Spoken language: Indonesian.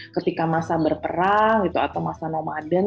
ketika masa berperang atau masa nomaden